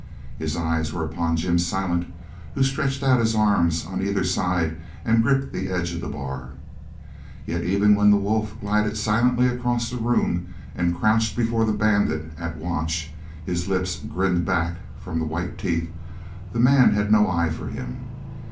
His eyes were upon Jim Silent, who stretched out his arms on either side and gripped the edge of the bar. Yet even when the wolf glided silently across the room and crouched before the bandit, at watch, his lips grinned back from the white teeth, the man had no eyes for him.